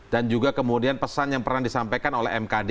dan juga kemudian pesan yang pernah disampaikan oleh mkd